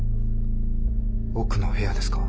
奥の部屋ですか？